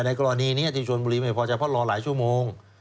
ในกรณีนี้จริงจวนบุรีเพราะรอหลายชั่วโมง